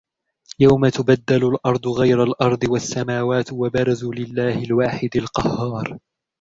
يَوْمَ تُبَدَّلُ الْأَرْضُ غَيْرَ الْأَرْضِ وَالسَّمَاوَاتُ وَبَرَزُوا لِلَّهِ الْوَاحِدِ الْقَهَّارِ